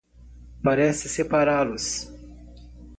Parece separá-los